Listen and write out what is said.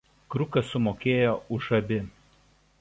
Krukas sumokėjo už abi.